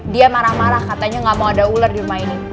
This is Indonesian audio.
dia marah marah katanya nggak mau ada ular di rumah ini